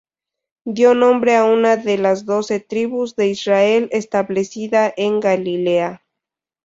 Dio nombre a una de las doce tribus de Israel establecida en Galilea.